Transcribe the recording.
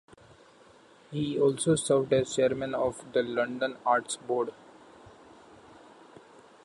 He also served as chairman of the London Arts Board.